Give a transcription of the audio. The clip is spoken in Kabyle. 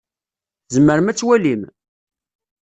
Tzemrem ad twalim?